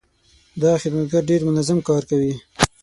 دا خدمتګر ډېر منظم کار کوي.